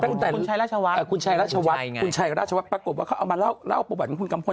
คุณชัยราชวัฒน์คุณชัยราชวัฒน์ปรากฏว่าเขาเอามาเล่าประวัติของคุณกัมพล